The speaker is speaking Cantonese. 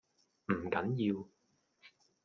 唔緊要